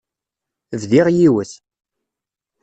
Bbiɣ yiwet.